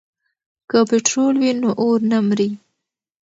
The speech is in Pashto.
که پټرول وي نو اور نه مري.